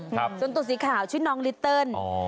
ตัวสีดำส่วนตัวสีขาวชื่อน้องลิเติร์น